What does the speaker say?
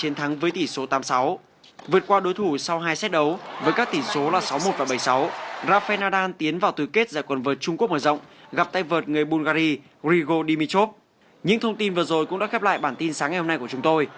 những thông tin vừa rồi cũng đã khép lại bản tin sáng ngày hôm nay của chúng tôi